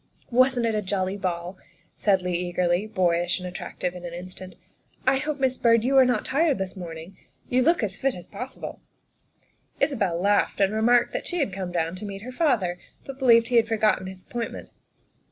" Wasn't it a jolly ball?" said Leigh eagerly, boyish and attractive in an instant. " I hope, Miss Byrd, you are not tired out this morning. You look as fit as possible. '' Isabel laughed and remarked that she had come down to meet her father, but believed he had forgotten his appointment.